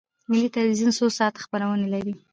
ملي تلویزیون څو ساعته خپرونې لري؟